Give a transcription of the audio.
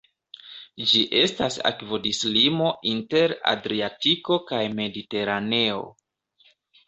Ĝi estas akvodislimo inter Adriatiko kaj Mediteraneo.